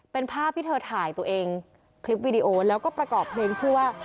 เป็นภาพที่เธอถ่ายตัวเองคลิปวิดีโอแล้วก็ประกอบเพลงชื่อว่า